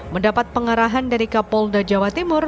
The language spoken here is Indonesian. mendapat pengarahan dari kapolda jawa timur